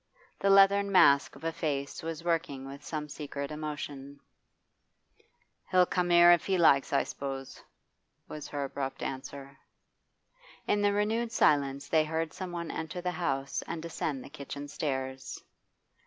The leathern mask of a face was working with some secret emotion. 'He'll come if he likes, I s'pose,' was her abrupt answer. In the renewed silence they heard some one enter the house and descend the kitchen stairs.